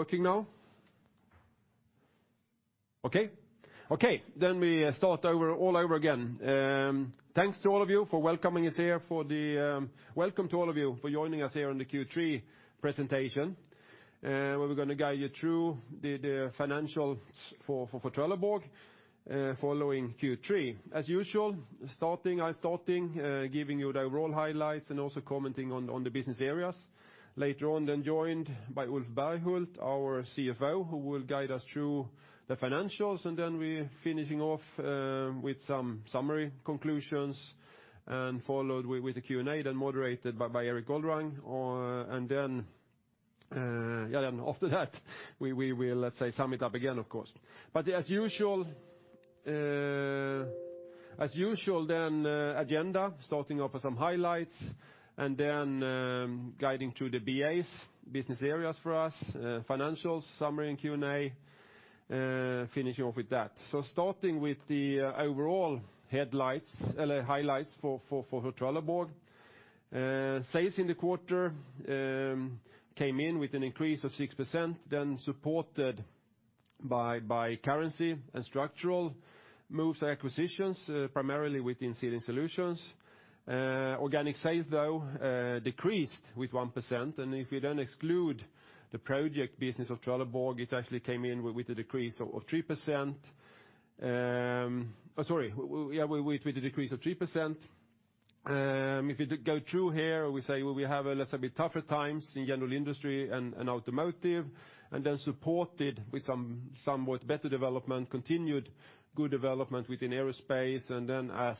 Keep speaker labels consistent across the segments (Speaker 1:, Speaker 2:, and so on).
Speaker 1: It's working now? Okay. We start all over again. Thanks to all of you for welcoming us here. Welcome to all of you for joining us here on the Q3 presentation, where we're going to guide you through the financials for Trelleborg following Q3. As usual, I'm starting giving you the overall highlights and also commenting on the business areas. Later on, joined by Ulf Berghult, our CFO, who will guide us through the financials, and we're finishing off with some summary conclusions and followed with a Q&A moderated by Erik Golrang. After that, we will, let's say, sum it up again, of course. As usual, agenda, starting off with some highlights and guiding through the BAs, business areas for us, financials summary and Q&A, finishing off with that. Starting with the overall highlights for Trelleborg. Sales in the quarter came in with an increase of 6%, then supported by currency and structural moves and acquisitions, primarily within Sealing Solutions. Organic sales, though, decreased with 1%. If we then exclude the project business of Trelleborg, it actually came in with a decrease of 3%. If you go through here, we say we have a, let's say, bit tougher times in general industry and automotive and then supported with some somewhat better development, continued good development within aerospace. As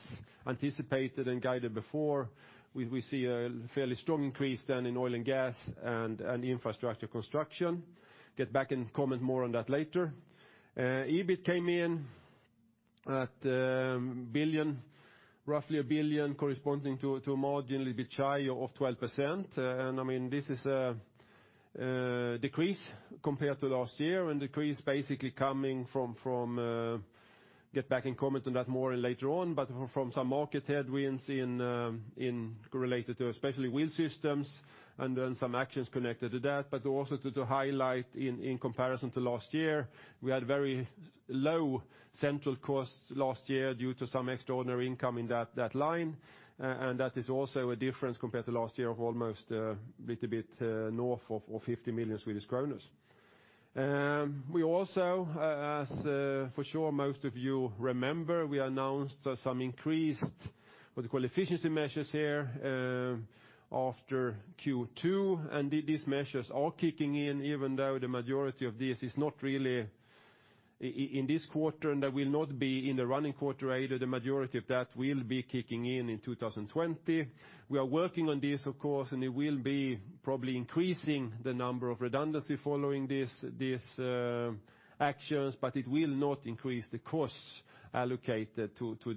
Speaker 1: anticipated and guided before, we see a fairly strong increase then in oil and gas and infrastructure construction. Get back and comment more on that later. EBIT came in at roughly 1 billion corresponding to a margin a little bit shy of 12%. This is a decrease compared to last year and decrease basically coming from, get back and comment on that more later on, but from some market headwinds in related to especially wheel systems and then some actions connected to that, but also to highlight in comparison to last year. We had very low central costs last year due to some extraordinary income in that line. That is also a difference compared to last year of almost a little bit north of 50 million Swedish kronor. We also, as for sure most of you remember, we announced some increased, what they call efficiency measures here after Q2. These measures are kicking in, even though the majority of this is not really in this quarter and that will not be in the running quarter either. The majority of that will be kicking in in 2020. We are working on this, of course, it will be probably increasing the number of redundancy following these actions, it will not increase the costs allocated to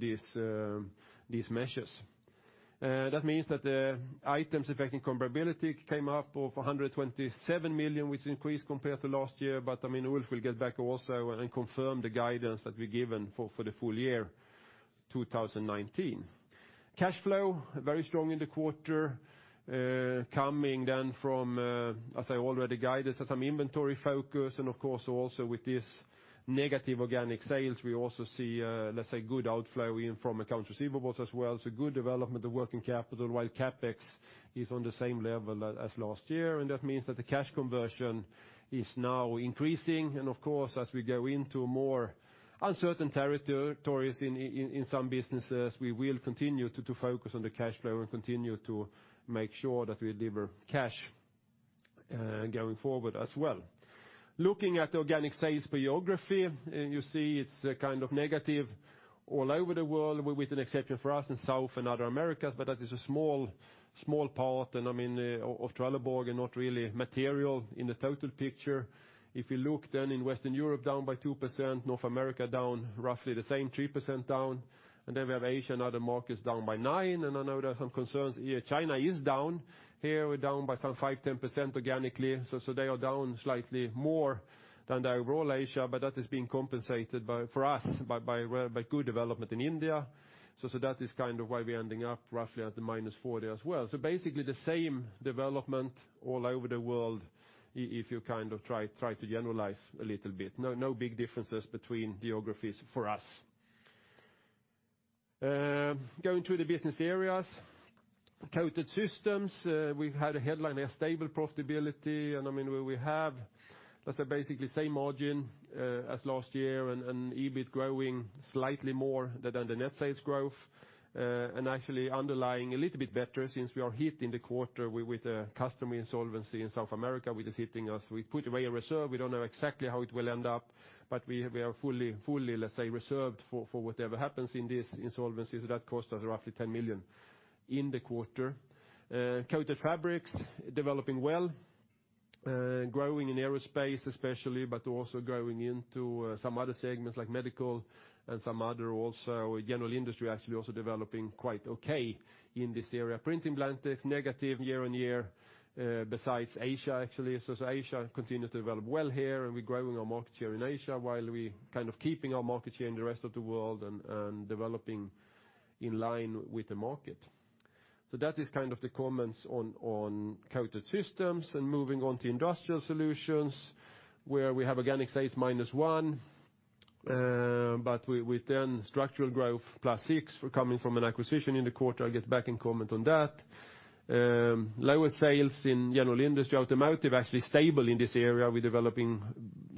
Speaker 1: these measures. That means that the items affecting comparability came up of 127 million, which increased compared to last year. Ulf will get back also and confirm the guidance that we've given for the full year 2019. Cash flow, very strong in the quarter, coming from, as I already guided, some inventory focus and, of course, also with this negative organic sales, we also see, let's say, good outflow in from accounts receivables as well. Good development of working capital while CapEx is on the same level as last year. That means that the cash conversion is now increasing. Of course, as we go into more uncertain territories in some businesses, we will continue to focus on the cash flow and continue to make sure that we deliver cash going forward as well. Looking at the organic sales geography, you see it's kind of negative all over the world with an exception for us in South and Other Americas, but that is a small part of Trelleborg and not really material in the total picture. If you look in Western Europe, down by 2%, North America down roughly the same, 3% down. Then we have Asia and Other Markets down by 9%. I know there are some concerns here. China is down. Here we're down by some 5%-10% organically. They are down slightly more than the overall Asia, but that is being compensated for us by good development in India. That is kind of why we're ending up roughly at the -40 as well. Basically the same development all over the world if you kind of try to generalize a little bit. No big differences between geographies for us. Going to the business areas. Coated Systems, we've had a headline there, stable profitability. We have, let's say, basically same margin as last year and EBIT growing slightly more than the net sales growth and actually underlying a little bit better since we are hit in the quarter with a customer insolvency in South America which is hitting us. We put away a reserve. We don't know exactly how it will end up, we are fully, let's say, reserved for whatever happens in this insolvency. That cost us roughly 10 million in the quarter. Coated Fabrics, developing well, growing in aerospace especially, but also growing into some other segments like medical and some other also general industry actually also developing quite okay in this area. Printing Blankets, negative year-over-year besides Asia actually. Asia continue to develop well here and we're growing our market share in Asia while we kind of keeping our market share in the rest of the world and developing in line with the market. That is the comments on Coated Systems. Moving on to Industrial Solutions, where we have organic sales -1%. With structural growth +6%, coming from an acquisition in the quarter. I'll get back and comment on that. Lower sales in general industry. Automotive, actually stable in this area. We're developing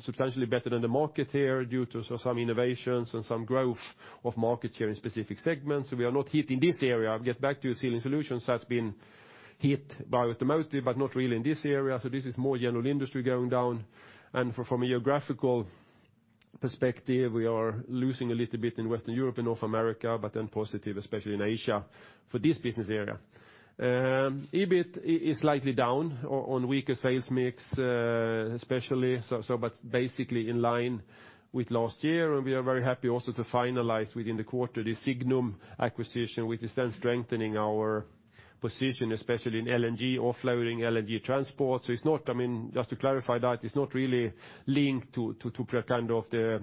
Speaker 1: substantially better than the market here due to some innovations and some growth of market share in specific segments. We are not hit in this area. I'll get back to you. Sealing Solutions has been hit by automotive, not really in this area. This is more general industry going down. From a geographical perspective, we are losing a little bit in Western Europe and North America, positive, especially in Asia, for this business area. EBIT is slightly down on weaker sales mix, especially. Basically in line with last year. We are very happy also to finalize within the quarter, the Signum acquisition, which is strengthening our position, especially in LNG, offloading LNG transport. Just to clarify that, it's not really linked to the,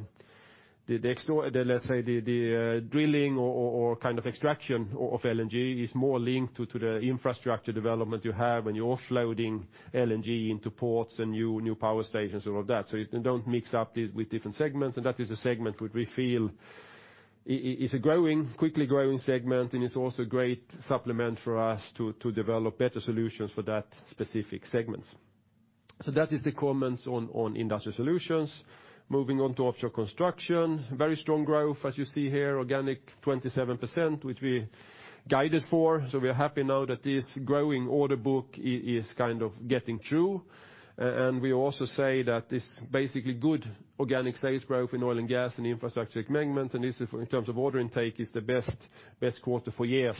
Speaker 1: let's say, the drilling or extraction of LNG. It's more linked to the infrastructure development you have when you're offloading LNG into ports and new power stations and all of that. Don't mix up with different segments. That is a segment which we feel is a quickly growing segment, and it's also a great supplement for us to develop better solutions for that specific segments. That is the comments on Industrial Solutions. Moving on to Offshore Construction. Very strong growth, as you see here. Organic 27%, which we guided for. We are happy now that this growing order book is getting through. We also say that this basically good organic sales growth in oil and gas and infrastructure segment, and this, in terms of order intake, is the best quarter for years,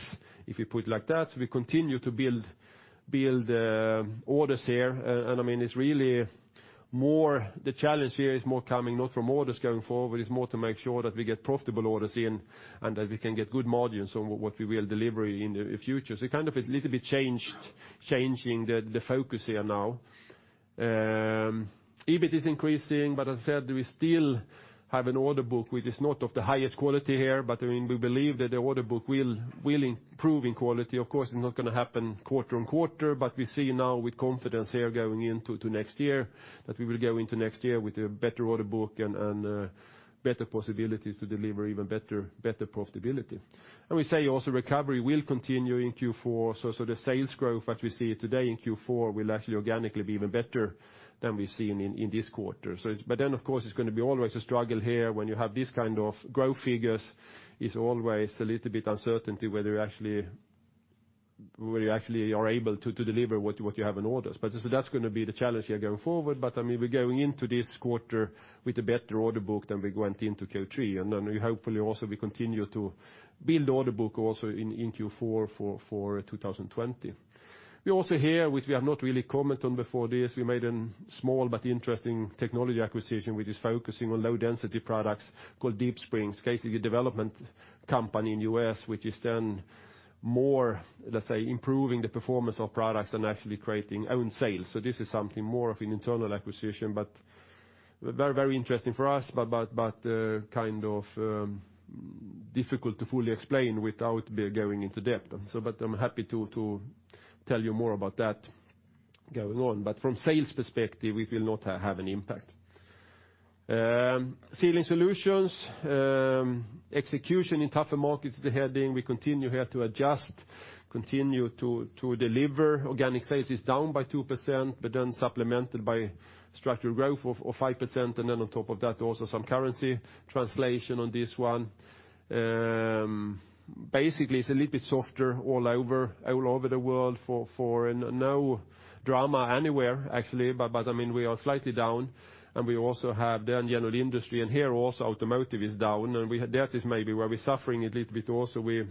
Speaker 1: if you put it like that. We continue to build orders here. It's really the challenge here is more coming not from orders going forward. It's more to make sure that we get profitable orders in, and that we can get good margins on what we will deliver in the future. A little bit changing the focus here now. EBIT is increasing. As I said, we still have an order book which is not of the highest quality here. We believe that the order book will improve in quality. Of course, it's not going to happen quarter on quarter, but we see now with confidence here going into next year that we will go into next year with a better order book and better possibilities to deliver even better profitability. We say also recovery will continue in Q4. The sales growth as we see it today in Q4 will actually organically be even better than we've seen in this quarter. Of course, it's going to be always a struggle here. When you have these kind of growth figures, it's always a little bit uncertainty whether you actually are able to deliver what you have on orders. That's going to be the challenge here going forward. We're going into this quarter with a better order book than we went into Q3. Hopefully also we continue to build the order book also in Q4 for 2020. We also here, which we have not really commented on before this, we made a small but interesting technology acquisition which is focusing on low-density products called Deep Spring. Basically, a development company in U.S., which is then more, let's say, improving the performance of products than actually creating own sales. This is something more of an internal acquisition, very interesting for us, difficult to fully explain without going into depth. I'm happy to tell you more about that going on. From sales perspective, it will not have an impact. Sealing Solutions. Execution in tougher markets they're heading. We continue here to adjust, continue to deliver. Organic sales is down by 2%, supplemented by structural growth of 5%. On top of that, also some currency translation on this one. Basically, it's a little bit softer all over the world. No drama anywhere, actually, we are slightly down. We also have then general industry, here also automotive is down. That is maybe where we're suffering a little bit also with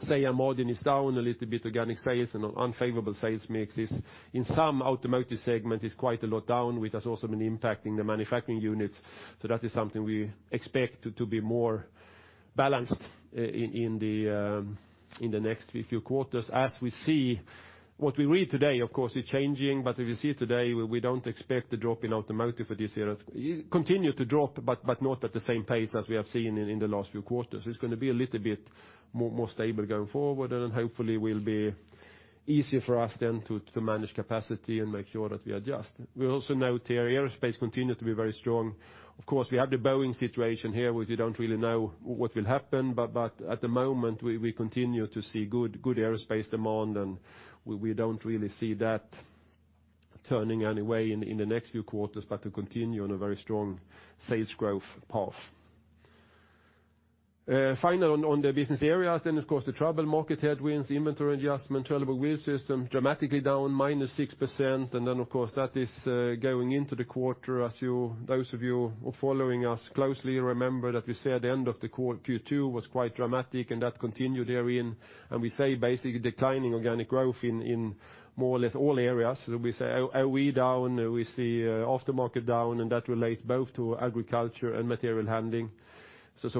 Speaker 1: [SAM origin] is down a little bit, organic sales and unfavorable sales mix is in some automotive segment is quite a lot down, which has also been impacting the manufacturing units. That is something we expect to be more balanced in the next few quarters. What we read today, of course, is changing. If you see it today, we don't expect the drop in automotive for this year. It will continue to drop, but not at the same pace as we have seen in the last few quarters. It's going to be a little bit more stable going forward, and then hopefully will be easier for us then to manage capacity and make sure that we adjust. We also note here aerospace continue to be very strong. Of course, we have the Boeing situation here. We don't really know what will happen. At the moment, we continue to see good aerospace demand, and we don't really see that turning any way in the next few quarters, but to continue on a very strong sales growth path. Final on the business areas, of course, the troubled market headwinds, inventory adjustment, Trelleborg Wheel Systems dramatically down -6%. Of course, that is going into the quarter. Those of you who are following us closely remember that we said the end of the Q2 was quite dramatic and that continued herein. We say basically declining organic growth in more or less all areas. We say OE down, we see aftermarket down, and that relates both to agriculture and material handling.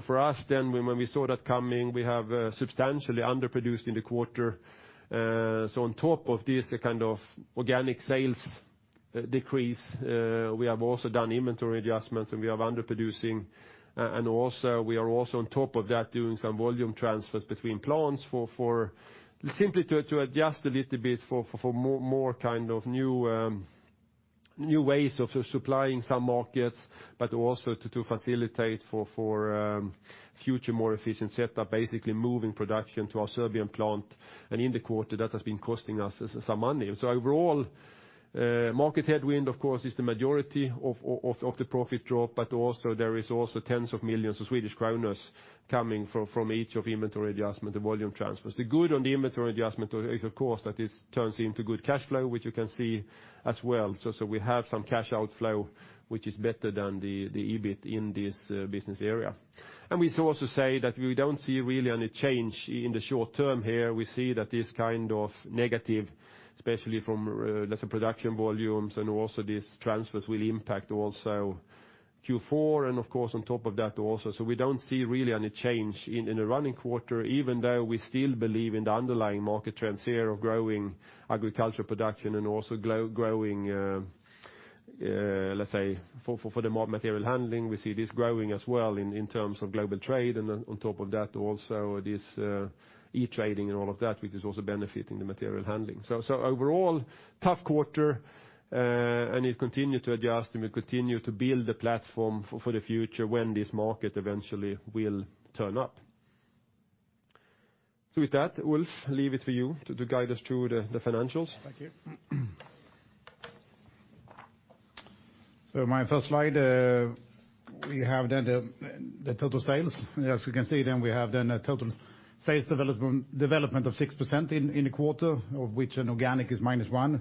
Speaker 1: For us, when we saw that coming, we have substantially underproduced in the quarter. On top of this, a kind of organic sales decrease. We have also done inventory adjustments, and we are underproducing. We are also on top of that, doing some volume transfers between plants, simply to adjust a little bit for more new ways of supplying some markets, but also to facilitate for future more efficient setup, basically moving production to our Serbian plant. In the quarter, that has been costing us some money. Overall, market headwind of course is the majority of the profit drop, but there is also tens of millions of SEK coming from each of the inventory adjustment and volume transfers. The good on the inventory adjustment is of course that this turns into good cash flow, which you can see as well. We have some cash outflow, which is better than the EBIT in this business area. We also say that we don't see really any change in the short term here. We see that this kind of negative, especially from lesser production volumes and also these transfers will impact also Q4, and of course on top of that also. We don't see really any change in the running quarter, even though we still believe in the underlying market trends here of growing agriculture production and also growing, let's say, for the material handling, we see this growing as well in terms of global trade, and on top of that also this e-trading and all of that, which is also benefiting the material handling. Overall, tough quarter, and it continue to adjust, and we continue to build the platform for the future when this market eventually will turn up. With that, Ulf, leave it to you to guide us through the financials.
Speaker 2: Thank you. My first slide, we have the total sales. As you can see, we have a total sales development of 6% in the quarter, of which an organic is minus 1.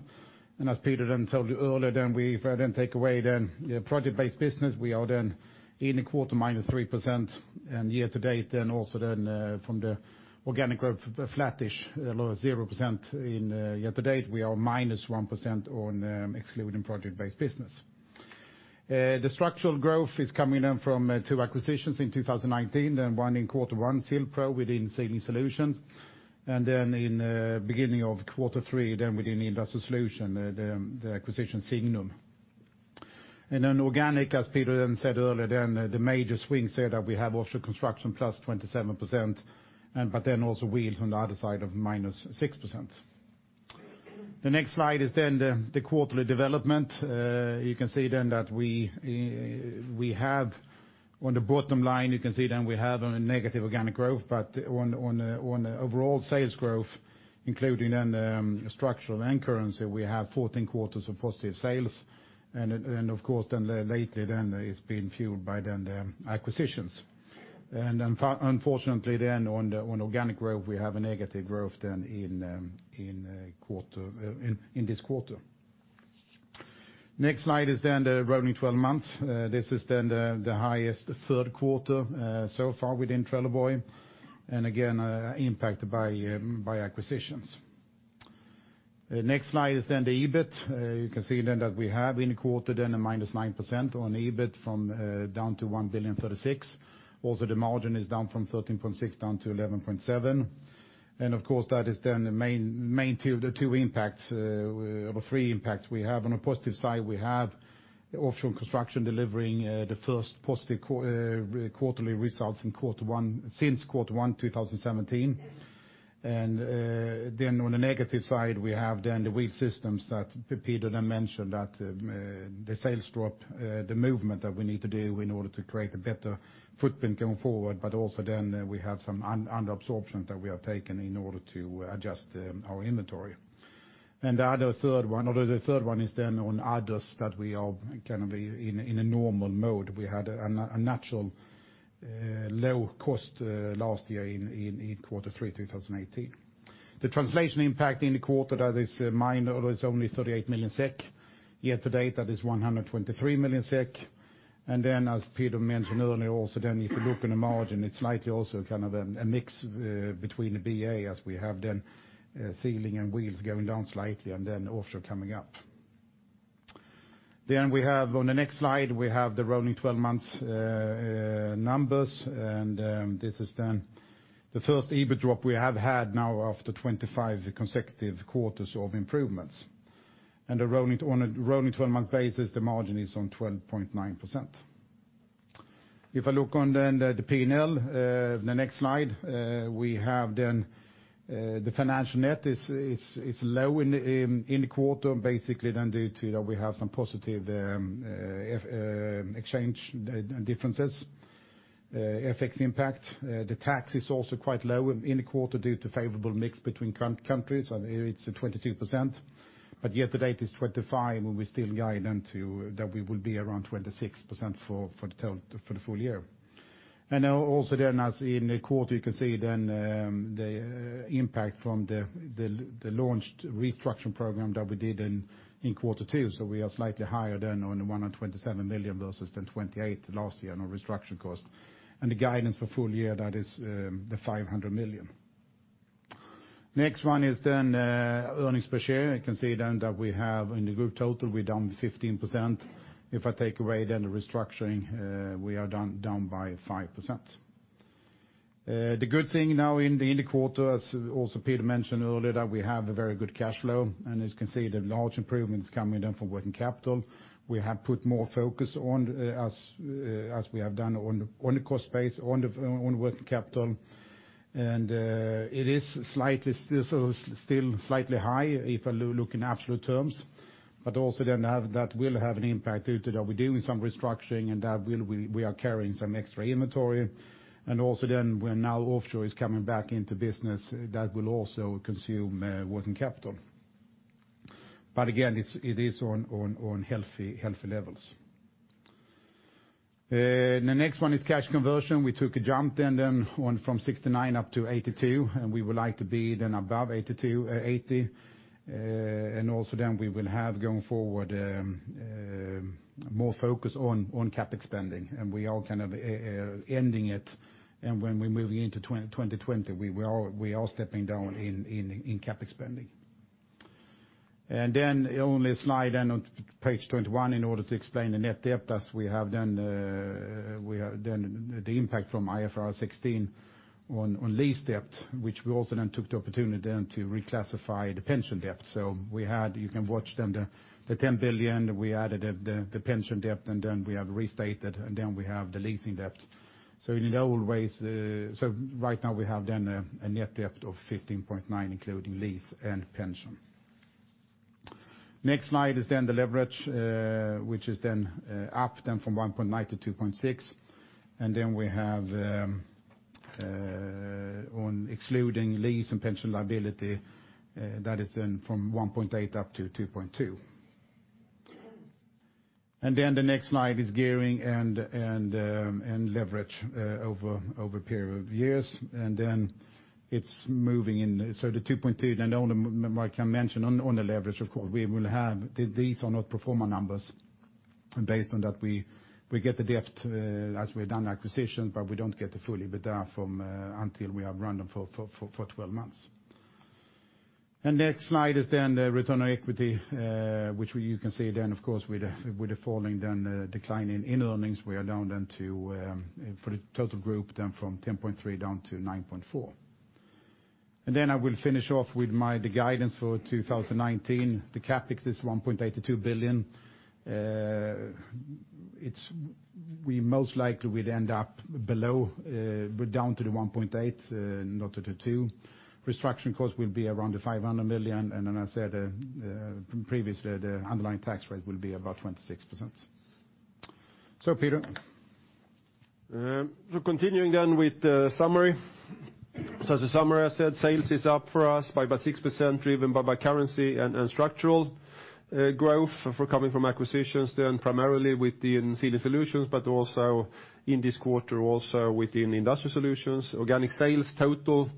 Speaker 2: As Peter told you earlier, if I take away the project-based business, we are in the quarter minus 3%, and year-to-date, also from the organic growth flat-ish, low 0% in year-to-date. We are minus 1% on excluding project-based business. The structural growth is coming in from two acquisitions in 2019, one in quarter 1, Sil-Pro within Sealing Solutions. In beginning of quarter 3, within the Industrial Solutions, the acquisition Signum. Organic, as Peter said earlier, the major swing set that we have Offshore Construction plus 27%, also Wheels on the other side of minus 6%. The next slide is the quarterly development. On the bottom line, you can see we have a negative organic growth, on the overall sales growth, including the structural and currency, we have 14 quarters of positive sales. Of course lately, it's been fueled by the acquisitions. Unfortunately on organic growth, we have a negative growth in this quarter. Next slide is the rolling 12 months. This is the highest third quarter so far within Trelleborg, again impacted by acquisitions. Next slide is the EBIT. You can see that we have in the quarter a minus 9% on EBIT from down to 1 billion 36. Also, the margin is down from 13.6% down to 11.7%. Of course that is the two impacts, or three impacts we have. On a positive side, we have Offshore & Construction delivering the first positive quarterly results since quarter one 2017. On the negative side, we have then the Wheel Systems that Peter then mentioned, that the sales drop, the movement that we need to do in order to create a better footprint going forward, but also then we have some under-absorption that we have taken in order to adjust our inventory. The third one is then on others that we are kind of in a normal mode. We had a natural low cost last year in quarter three 2018. The translation impact in the quarter, that is minor. It's only 38 million SEK. Year to date, that is 123 million SEK. Then as Peter mentioned earlier also then if you look in the margin, it's slightly also kind of a mix between the BA as we have Sealing and Wheels going down slightly and also Offshore coming up. On the next slide, we have the rolling 12 months numbers. This is the first EBIT drop we have had now after 25 consecutive quarters of improvements. On a rolling 12 months basis, the margin is on 12.9%. If I look at the P&L, the next slide, the financial net is low in the quarter, basically due to some positive exchange differences, FX impact. The tax is also quite low in the quarter due to favorable mix between countries. It's at 22%. Year to date, it's 25, and we still guide to that we will be around 26% for the full year. Also as in the quarter, you can see the impact from the launched restructuring program that we did in quarter two. We are slightly higher on 127 million versus the 28 last year on our restructure cost. The guidance for full year, that is the 500 million. Next one is earnings per share. You can see that we have in the group total, we're down 15%. If I take away the restructuring, we are down by 5%. The good thing now in the quarter, as also Peter mentioned earlier, that we have a very good cash flow, and as you can see, the large improvements coming in from working capital. We have put more focus on, as we have done on the cost base, on working capital. It is still slightly high if I look in absolute terms, but also that will have an impact due to that we're doing some restructuring and that we are carrying some extra inventory. Also then where now offshore is coming back into business, that will also consume working capital. Again, it is on healthy levels. The next one is cash conversion. We took a jump then on from 69 up to 82, and we would like to be then above 80. Also then we will have going forward more focus on CapEx spending. We are kind of ending it, and when we're moving into 2020, we are stepping down in CapEx spending. On the slide on page 21, in order to explain the net debt as we have done the impact from IFRS 16 on lease debt, which we also then took the opportunity then to reclassify the pension debt. You can watch then the 10 billion, we added the pension debt, and then we have restated, and then we have the leasing debt. Right now we have then a net debt of 15.9 including lease and pension. Next slide is then the leverage, which is then up from 1.9 to 2.6. We have on excluding lease and pension liability, that is then from 1.8 up to 2.2. The next slide is gearing and leverage, over a period of years. It's moving in. The 2.2, then the only mark I mentioned on the leverage, of course, these are not pro forma numbers based on that we get the debt as we've done acquisitions, but we don't get the fully with that until we have run them for 12 months. Next slide is then the return on equity, which you can see then, of course, with the falling decline in earnings, we are down then for the total group from 10.3% down to 9.4%. Then I will finish off with the guidance for 2019. The CapEx is 1.82 billion. We most likely will end up below, down to 1.8, not to 2. Restructuring costs will be around 500 million. As I said previously, the underlying tax rate will be about 26%. Peter?
Speaker 1: Continuing then with the summary. As a summary I said sales is up for us by 6%, driven by currency and structural growth coming from acquisitions then primarily within Sealing Solutions, but also in this quarter also within Industrial Solutions. Organic sales total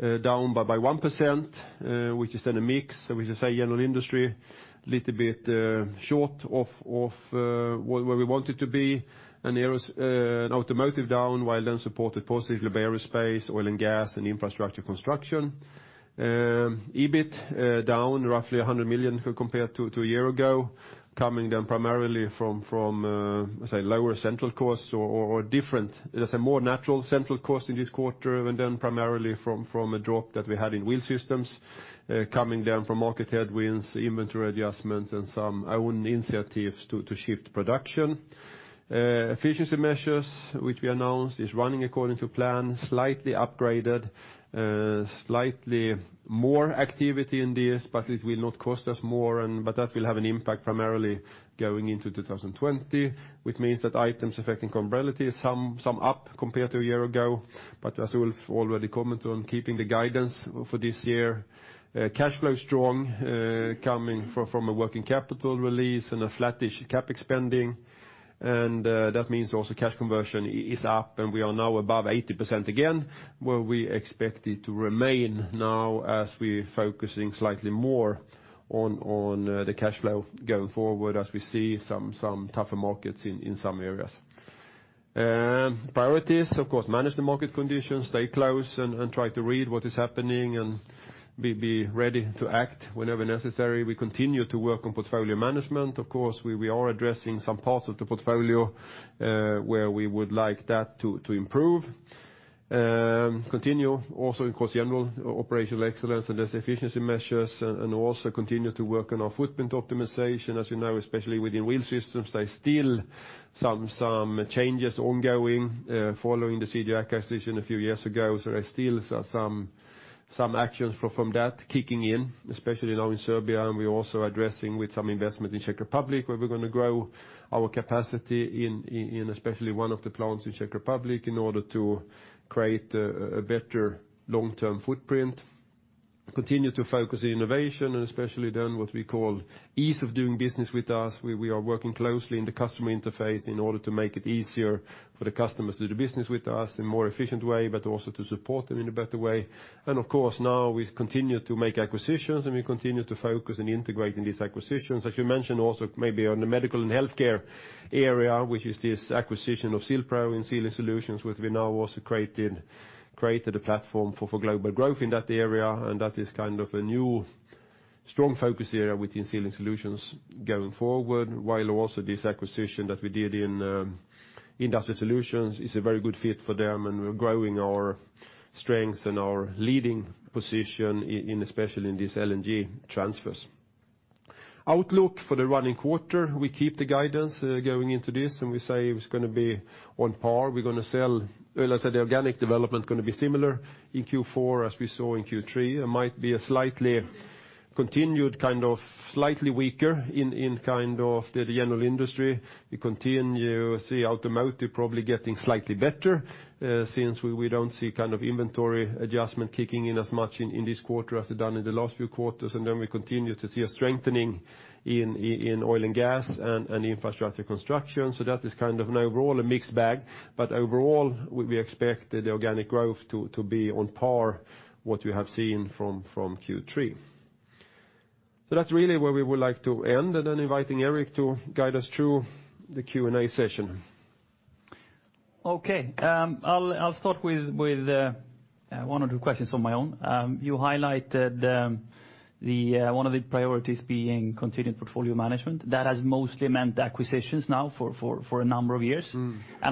Speaker 1: down by 1%, which is a mix, which is say general industry, little bit short of where we want it to be. Automotive down while supported positively by aerospace, oil and gas and infrastructure construction. EBIT down roughly 100 million compared to a year ago, coming down primarily from lower central costs or different, there's a more natural central cost in this quarter than primarily from a drop that we had in Wheel Systems, coming down from market headwinds, inventory adjustments, and some own initiatives to shift production. Efficiency measures, which we announced, is running according to plan, slightly upgraded, slightly more activity in this, but it will not cost us more, but that will have an impact primarily going into 2020, which means that items affecting comparability sum up compared to a year ago. As Ulf already commented on keeping the guidance for this year. Cash flow is strong, coming from a working capital release and a flattish CapEx spending. That means also cash conversion is up, and we are now above 80% again, where we expect it to remain now as we're focusing slightly more on the cash flow going forward as we see some tougher markets in some areas. Priorities, of course, manage the market conditions, stay close and try to read what is happening and be ready to act whenever necessary. We continue to work on portfolio management. Of course, we are addressing some parts of the portfolio, where we would like that to improve. Continue also, of course, general operational excellence and those efficiency measures, and also continue to work on our footprint optimization. As you know, especially within Wheel Systems, there's still some changes ongoing following the CGS acquisition a few years ago. There's still some actions from that kicking in, especially now in Serbia, and we're also addressing with some investment in Czech Republic, where we're going to grow our capacity in especially one of the plants in Czech Republic in order to create a better long-term footprint. Continue to focus on innovation and especially then what we call ease of doing business with us, where we are working closely in the customer interface in order to make it easier for the customers to do business with us in a more efficient way, but also to support them in a better way. Of course, now we continue to make acquisitions, and we continue to focus on integrating these acquisitions. As you mentioned, also maybe on the medical and healthcare area, which is this acquisition of Sil-Pro and Sealing Solutions, which we now also created a platform for global growth in that area. That is kind of a new strong focus area within Sealing Solutions going forward, while also this acquisition that we did in Industrial Solutions is a very good fit for them, and we're growing our strength and our leading position, especially in these LNG transfers. Outlook for the running quarter, we keep the guidance going into this, and we say it's going to be on par. The organic development is going to be similar in Q4 as we saw in Q3. It might be slightly weaker in the general industry. We continue to see automotive probably getting slightly better, since we don't see inventory adjustment kicking in as much in this quarter as it did in the last few quarters. Then we continue to see a strengthening in oil and gas and infrastructure construction. That is overall a mixed bag. Overall, we expect the organic growth to be on par what we have seen from Q3. That's really where we would like to end. Then inviting Erik to guide us through the Q&A session.
Speaker 3: Okay. I'll start with one or two questions on my own. You highlighted one of the priorities being continued portfolio management. That has mostly meant acquisitions now for a number of years.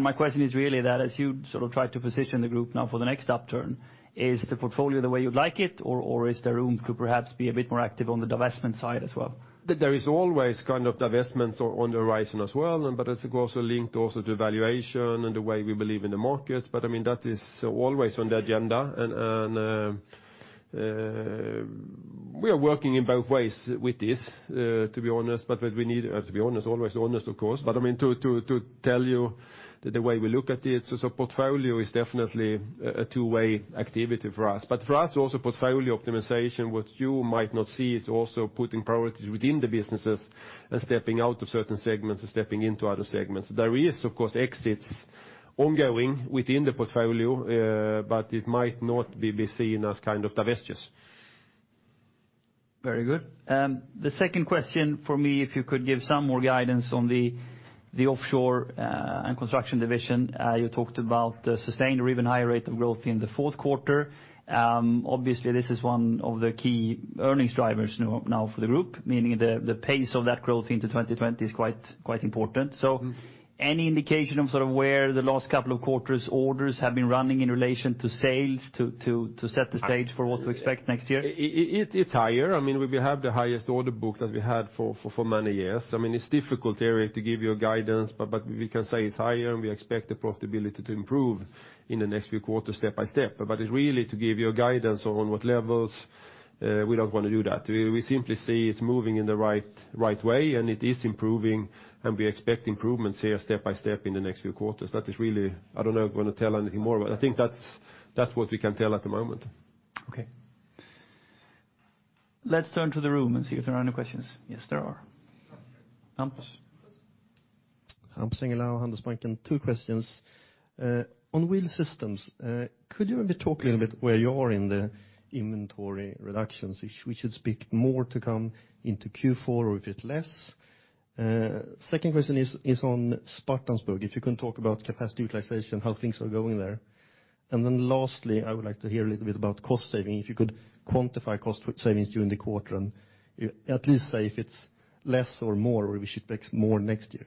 Speaker 3: My question is really that as you try to position the group now for the next upturn, is the portfolio the way you'd like it, or is there room to perhaps be a bit more active on the divestment side as well?
Speaker 1: There is always divestments on the horizon as well, but it's also linked to valuation and the way we believe in the market. That is always on the agenda. We are working in both ways with this, to be honest, always honest, of course. To tell you that the way we look at it, so portfolio is definitely a two-way activity for us. For us, also portfolio optimization, what you might not see, is also putting priorities within the businesses and stepping out of certain segments and stepping into other segments. There is, of course, exits ongoing within the portfolio, but it might not be seen as divestitures.
Speaker 3: Very good. The second question from me, if you could give some more guidance on the Offshore & Construction division. You talked about sustainable or even higher rate of growth in the fourth quarter. Obviously, this is one of the key earnings drivers now for the group, meaning the pace of that growth into 2020 is quite important. Any indication of where the last couple of quarters orders have been running in relation to sales to set the stage for what to expect next year?
Speaker 1: It's higher. We have the highest order book that we had for many years. It's difficult, Erik, to give you a guidance, but we can say it's higher, and we expect the profitability to improve in the next few quarters step by step. Really to give you a guidance on what levels, we don't want to do that. We simply see it's moving in the right way, and it is improving, and we expect improvements here step by step in the next few quarters. I don't know if I want to tell anything more, but I think that's what we can tell at the moment.
Speaker 3: Okay. Let's turn to the room and see if there are any questions. Yes, there are. Hampus?
Speaker 4: Hampus Engellau, Handelsbanken. Two questions. On Wheel Systems, could you maybe talk a little bit where you are in the inventory reductions? We should speak more to come into Q4 or a bit less? Second question is on Spartanburg. If you can talk about capacity utilization, how things are going there. Lastly, I would like to hear a little bit about cost saving. If you could quantify cost savings during the quarter and at least say if it's less or more, or we should expect more next year.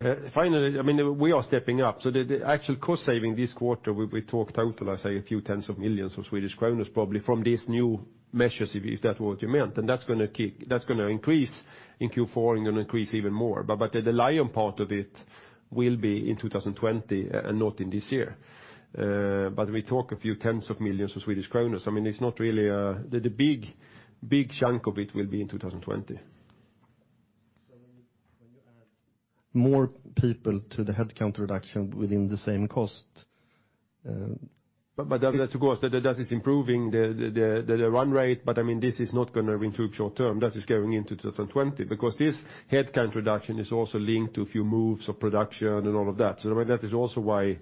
Speaker 4: Thanks.
Speaker 1: Finally, we are stepping up. The actual cost saving this quarter, we talked total, I say a few tens of millions of SEK probably from these new measures, if that's what you meant. That's going to increase in Q4, and increase even more. The lion part of it will be in 2020 and not in this year. We talk a few tens of millions of SEK. The big chunk of it will be in 2020.
Speaker 4: When you add more people to the headcount reduction within the same cost.
Speaker 1: That is improving the run rate, but this is not going to be too short-term. That is going into 2020 because this headcount reduction is also linked to a few moves of production and all of that. That is also why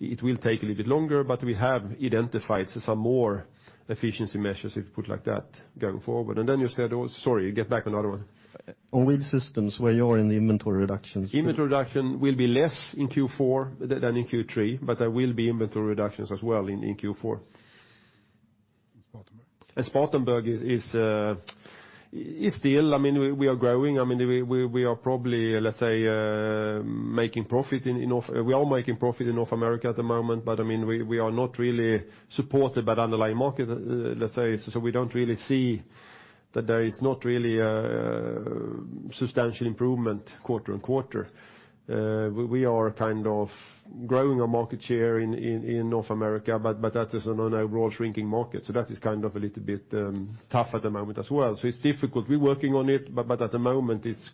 Speaker 1: it will take a little bit longer, but we have identified some more efficiency measures, if you put like that, going forward. Then get back on the other one.
Speaker 4: On Wheel Systems, where you are in the inventory reductions.
Speaker 1: Inventory reduction will be less in Q4 than in Q3, but there will be inventory reductions as well in Q4.
Speaker 4: Spartanburg?
Speaker 1: Spartanburg is still growing. We are probably making profit. We are making profit in North America at the moment, but we are not really supported by the underlying market, let's say. We don't really see that there is not really a substantial improvement quarter on quarter. We are kind of growing our market share in North America, but that is on an overall shrinking market, so that is a little bit tough at the moment as well. It's difficult. We're working on it, but at the moment, it's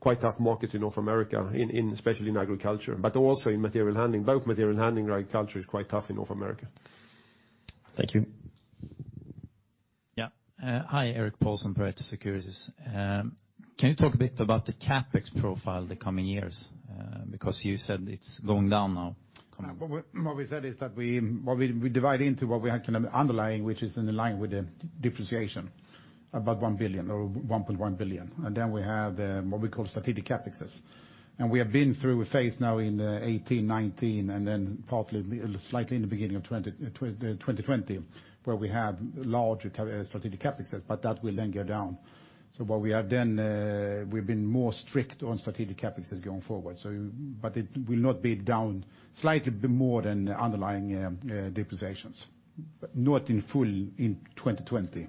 Speaker 1: quite tough markets in North America, especially in agriculture, but also in material handling. Both material handling and agriculture is quite tough in North America.
Speaker 4: Thank you.
Speaker 3: Yeah.
Speaker 5: Hi, Erik Pettersson, Pareto Securities. Can you talk a bit about the CapEx profile the coming years? You said it's going down now.
Speaker 1: What we said is that we divide into what we are underlying, which is in line with the differentiation.
Speaker 2: About 1 billion or 1.1 billion. We have what we call strategic CapEx. We have been through a phase now in 2018, 2019, and partly slightly in the beginning of 2020, where we have large strategic CapEx, that will then go down. What we have, we've been more strict on strategic CapEx going forward. It will not be down slightly be more than underlying depreciations, not in full in 2020,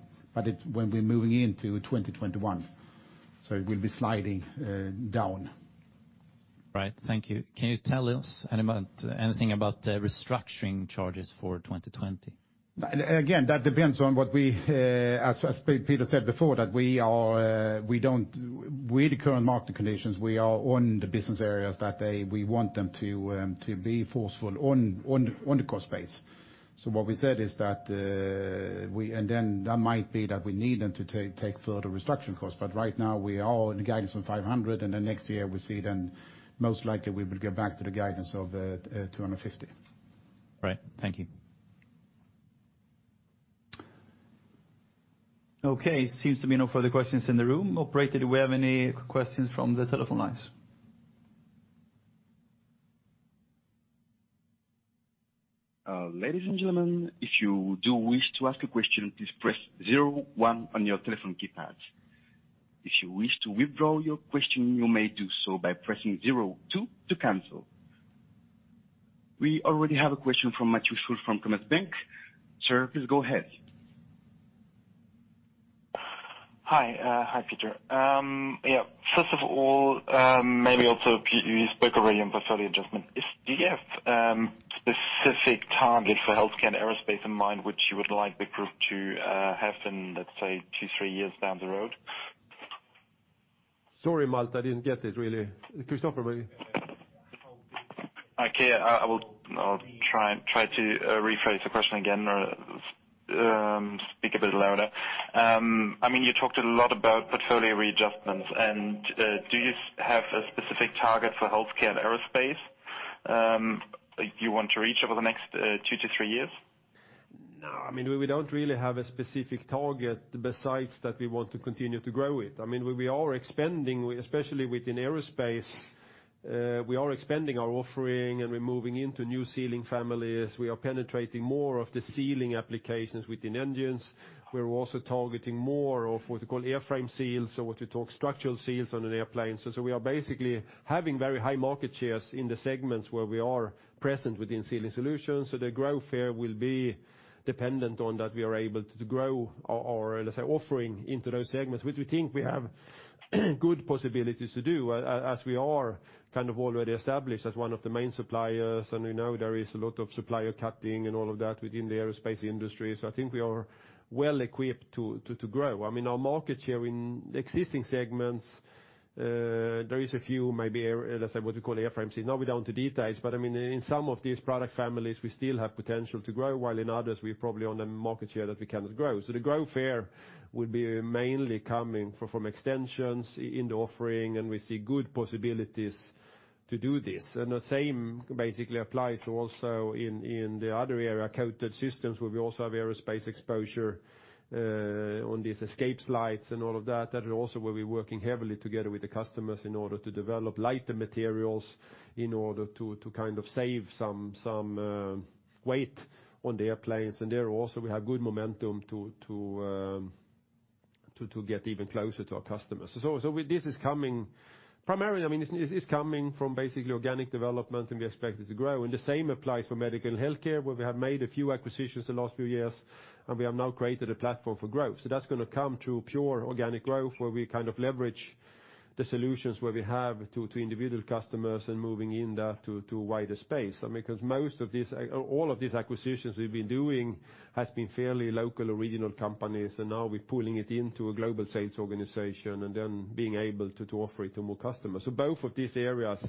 Speaker 2: when we're moving into 2021. It will be sliding down.
Speaker 5: Right. Thank you. Can you tell us anything about the restructuring charges for 2020?
Speaker 2: Again, that depends on what we, as Peter said before, that with the current market conditions, we are on the business areas that we want them to be forceful on the cost base. What we said is that and then that might be that we need them to take further restructuring costs. Right now we are in guidance from 500, and then next year we see then most likely we will go back to the guidance of 250.
Speaker 5: Right. Thank you.
Speaker 3: Okay. Seems to be no further questions in the room. Operator, do we have any questions from the telephone lines?
Speaker 6: Ladies and gentlemen, if you do wish to ask a question, please press zero one on your telephone keypad. If you wish to withdraw your question, you may do so by pressing zero two to cancel. We already have a question from Matthew Fu from Commerzbank. Sir, please go ahead.
Speaker 7: Hi. Hi Peter. Yeah, first of all, maybe also you spoke already on portfolio adjustment. Do you have specific targets for healthcare and aerospace in mind, which you would like the group to have in, let's say, two, three years down the road?
Speaker 1: Sorry, Matt, I didn't get it really. Christofer, maybe.
Speaker 7: Okay, I will try to rephrase the question again or speak a bit louder. You talked a lot about portfolio readjustments. Do you have a specific target for healthcare and aerospace you want to reach over the next two to three years?
Speaker 1: No, we don't really have a specific target besides that we want to continue to grow it. We are expanding, especially within aerospace, we are expanding our offering and we're moving into new sealing families. We are penetrating more of the sealing applications within engines. We're also targeting more of what you call airframe seals or what you talk structural seals on an airplane. We are basically having very high market shares in the segments where we are present within Sealing Solutions. The growth here will be dependent on that we are able to grow our, let's say, offering into those segments, which we think we have good possibilities to do as we are kind of already established as one of the main suppliers, and we know there is a lot of supplier cutting and all of that within the aerospace industry. I think we are well equipped to grow. Our market share in existing segments, there is a few maybe, let's say what we call airframe seals. Not going down to details, but in some of these product families, we still have potential to grow, while in others we are probably on a market share that we cannot grow. The growth here will be mainly coming from extensions in the offering, and we see good possibilities to do this. The same basically applies also in the other area, Coated Systems, where we also have aerospace exposure on these escape slides and all of that. That also we'll be working heavily together with the customers in order to develop lighter materials in order to save some weight on the airplanes. There also we have good momentum to get even closer to our customers. This is coming primarily from basically organic development, and we expect it to grow. The same applies for medical and healthcare, where we have made a few acquisitions the last few years, and we have now created a platform for growth. That's going to come through pure organic growth, where we leverage the solutions where we have two individual customers and moving in that to wider space. All of these acquisitions we've been doing has been fairly local or regional companies, and now we're pulling it into a global sales organization and then being able to offer it to more customers. Both of these areas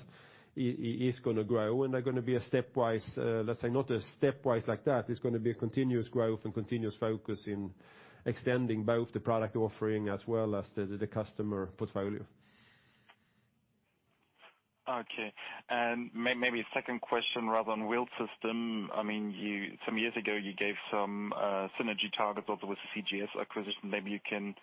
Speaker 1: is going to grow, and they're going to be a stepwise, let's say, not a stepwise like that. It's going to be a continuous growth and continuous focus in extending both the product offering as well as the customer portfolio.
Speaker 7: Okay. Maybe a second question, rather on Wheel Systems. Some years ago you gave some synergy targets also with the CGS acquisition. Maybe you can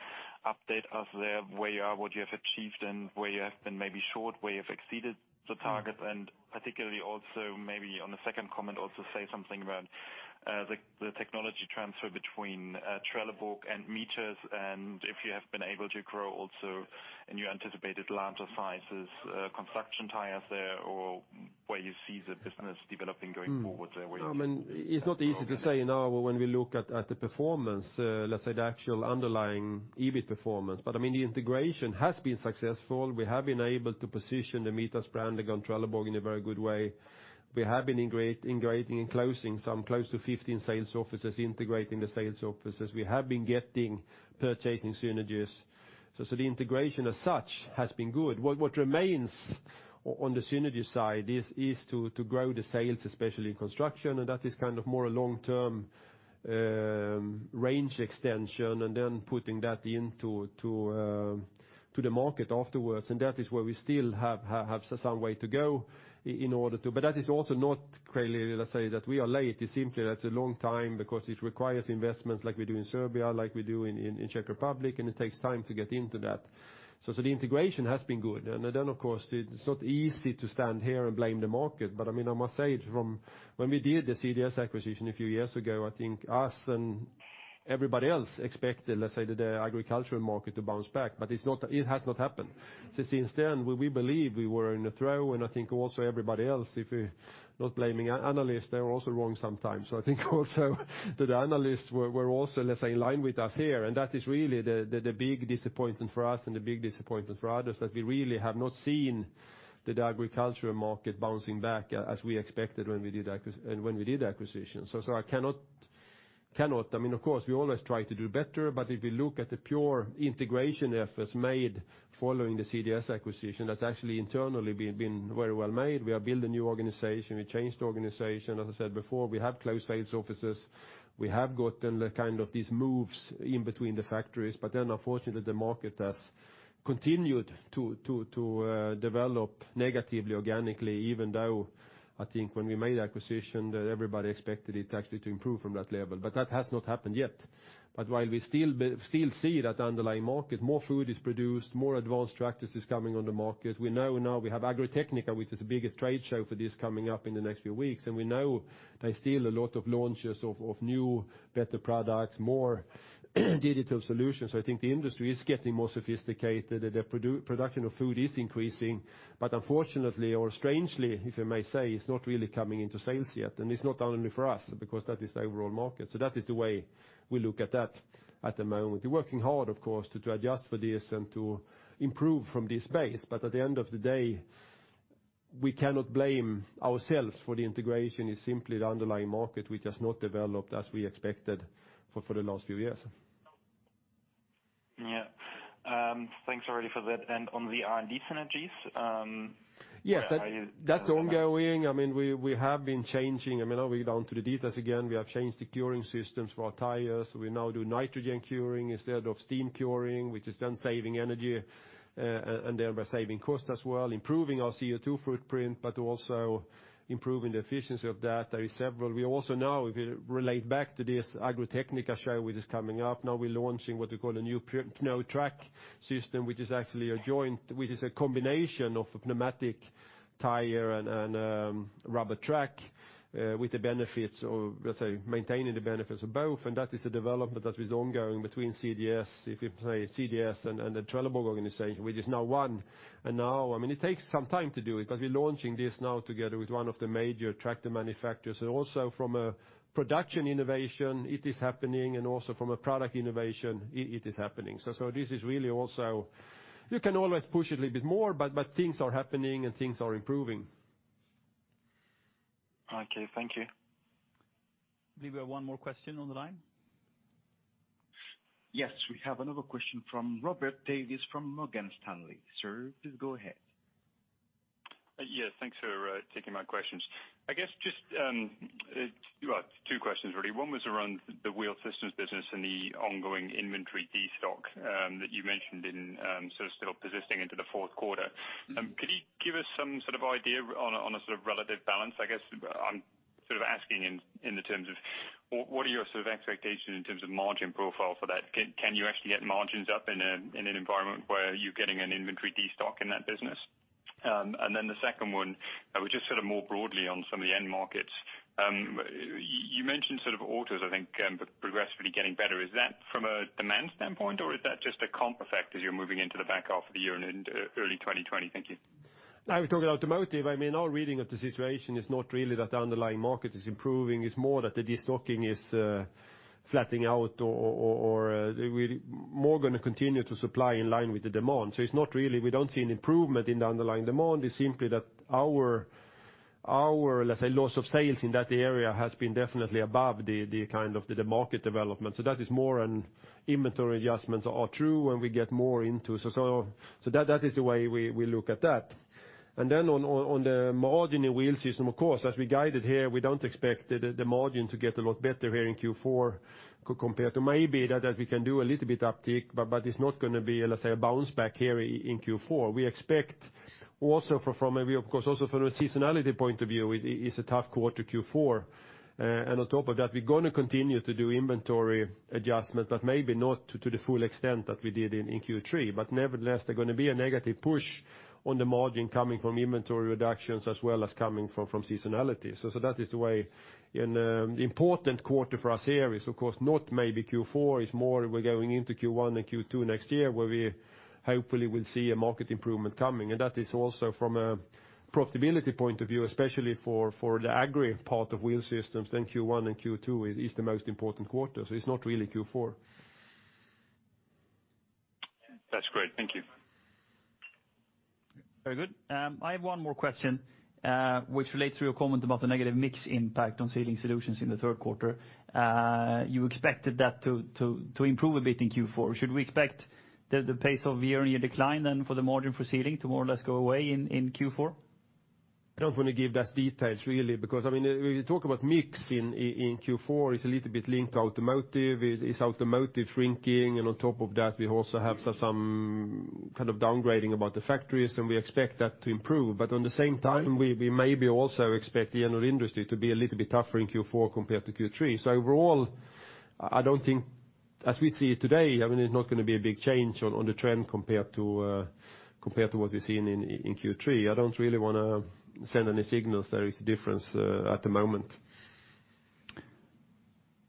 Speaker 7: update us there where you are, what you have achieved and where you have been maybe short, where you have exceeded the targets and particularly also maybe on the second comment also say something about the technology transfer between Trelleborg and Mitas and if you have been able to grow also in your anticipated larger sizes, construction tires there, or where you see the business developing going forward there?
Speaker 1: It's not easy to say now when we look at the performance, let's say the actual underlying EBIT performance, but the integration has been successful. We have been able to position the Mitas brand against Trelleborg in a very good way. We have been integrating and closing some close to 15 sales offices, integrating the sales offices. We have been getting purchasing synergies. The integration as such has been good. What remains on the synergy side is to grow the sales, especially in construction, and that is kind of more a long-term range extension and then putting that into To the market afterwards, that is where we still have some way to go. That is also not clearly, let's say, that we are late. It is simply that it is a long time because it requires investments like we do in Serbia, like we do in Czech Republic, and it takes time to get into that. The integration has been good, and then, of course, it is not easy to stand here and blame the market. I must say it, from when we did the CGS acquisition a few years ago, I think us and everybody else expected, let's say, the agricultural market to bounce back, but it has not happened. Since then, we believe we were in a trough, and I think also everybody else. Not blaming analysts, they are also wrong sometimes. I think also that the analysts were also, let's say, in line with us here, and that is really the big disappointment for us and the big disappointment for others, that we really have not seen the agricultural market bouncing back as we expected when we did the acquisition. I cannot. Of course, we always try to do better, but if we look at the pure integration efforts made following the CGS acquisition, that's actually internally been very well made. We have built a new organization. We changed the organization. As I said before, we have closed sales offices. We have gotten these moves in between the factories. Unfortunately, the market has continued to develop negatively organically, even though I think when we made the acquisition, that everybody expected it actually to improve from that level. That has not happened yet. While we still see that underlying market, more food is produced, more advanced tractors is coming on the market. We know now we have Agritechnica, which is the biggest trade show for this, coming up in the next few weeks. We know there's still a lot of launches of new, better products, more digital solutions. I think the industry is getting more sophisticated, and the production of food is increasing. Unfortunately, or strangely, if I may say, it's not really coming into sales yet, and it's not only for us, because that is the overall market. That is the way we look at that at the moment. We're working hard, of course, to adjust for this and to improve from this base, but at the end of the day, we cannot blame ourselves for the integration. It's simply the underlying market which has not developed as we expected for the last few years.
Speaker 7: Yeah. Thanks already for that. On the R&D synergies, where are you?
Speaker 1: Yes, that's ongoing. We have been changing. Now we're down to the details again. We have changed the curing systems for our tires. We now do nitrogen curing instead of steam curing, which is then saving energy, and thereby saving cost as well, improving our CO2 footprint, but also improving the efficiency of that. There is several. We also know, if you relate back to this Agritechnica show, which is coming up, now we're launching what we call a new PneuTrac system, which is a combination of a pneumatic tire and a rubber track with the benefits of, let's say, maintaining the benefits of both, and that is a development that is ongoing between CGS, if you say, CGS and the Trelleborg organization, which is now one. Now, it takes some time to do it, but we're launching this now together with one of the major tractor manufacturers. Also from a production innovation, it is happening, and also from a product innovation, it is happening. This is really also, you can always push a little bit more, but things are happening and things are improving.
Speaker 7: Okay, thank you.
Speaker 3: I believe we have one more question on the line.
Speaker 6: Yes, we have another question from Robert Davies from Morgan Stanley. Sir, please go ahead.
Speaker 8: Yes, thanks for taking my questions. I guess just two questions really. One was around the Wheel Systems business and the ongoing inventory destock that you mentioned sort of still persisting into the fourth quarter. Could you give us some sort of idea on a sort of relative balance, I guess? I'm asking in the terms of, what are your sort of expectations in terms of margin profile for that? Can you actually get margins up in an environment where you're getting an inventory destock in that business? The second one, which is sort of more broadly on some of the end markets. You mentioned autos, I think, progressively getting better. Is that from a demand standpoint, or that just a comp effect as you're moving into the back half of the year and into early 2020? Thank you.
Speaker 1: We're talking automotive. Our reading of the situation is not really that the underlying market is improving. It's more that the destocking is flatting out, or we're more going to continue to supply in line with the demand. It's not really, we don't see an improvement in the underlying demand. It's simply that our, let's say, loss of sales in that area has been definitely above the market development. That is more an inventory adjustments are true, and we get more into. That is the way we look at that. On the margin in Wheel Systems, of course, as we guided here, we don't expect the margin to get a lot better here in Q4 compared to maybe that we can do a little bit uptick, but it's not going to be, let's say, a bounce back here in Q4. We expect also from a seasonality point of view, it's a tough quarter, Q4. On top of that, we're going to continue to do inventory adjustment, but maybe not to the full extent that we did in Q3. Nevertheless, there are going to be a negative push on the margin coming from inventory reductions as well as coming from seasonality. That is the way. An important quarter for us here is, of course, not maybe Q4. It's more we're going into Q1 and Q2 next year, where we hopefully will see a market improvement coming. That is also from a profitability point of view, especially for the agri part of Wheel Systems, then Q1 and Q2 is the most important quarter. It's not really Q4.
Speaker 8: That's great. Thank you.
Speaker 3: Very good. I have one more question, which relates to your comment about the negative mix impact on Sealing Solutions in the third quarter. You expected that to improve a bit in Q4. Should we expect the pace of year-on-year decline then for the margin for Sealing to more or less go away in Q4?
Speaker 1: I don't want to give those details, really, because when you talk about mix in Q4, it's a little bit linked to automotive. Is automotive shrinking? On top of that, we also have some kind of downgrading about the factories, and we expect that to improve. At the same time, we maybe also expect the general industry to be a little bit tougher in Q4 compared to Q3. Overall, I don't think, as we see it today, it's not going to be a big change on the trend compared to what we've seen in Q3. I don't really want to send any signals there is a difference at the moment.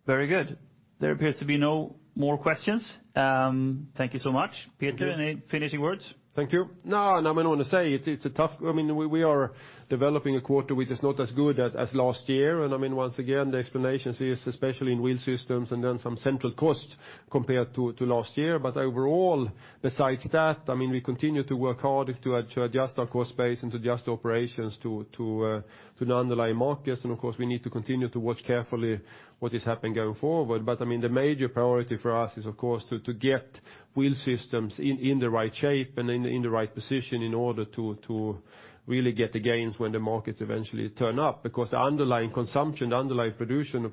Speaker 3: Very good. There appears to be no more questions. Thank you so much.
Speaker 1: Thank you.
Speaker 3: Peter, any finishing words?
Speaker 1: Thank you. No, I mean, We are developing a quarter which is not as good as last year, and once again, the explanation is especially in Wheel Systems and then some central costs compared to last year. Overall, besides that, we continue to work hard to adjust our cost base and to adjust operations to the underlying markets. Of course, we need to continue to watch carefully what is happening going forward. The major priority for us is, of course, to get Wheel Systems in the right shape and in the right position in order to really get the gains when the markets eventually turn up. The underlying consumption, the underlying production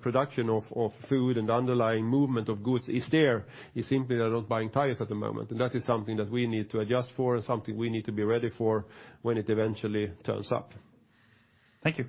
Speaker 1: of food, and the underlying movement of goods is there. It's simply they're not buying tires at the moment. That is something that we need to adjust for and something we need to be ready for when it eventually turns up.
Speaker 3: Thank you.